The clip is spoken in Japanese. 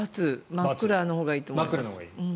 真っ暗のほうがいいと思う。